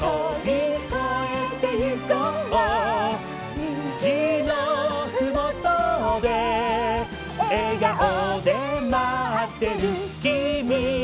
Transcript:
「にじのふもとでえがおでまってるきみがいる」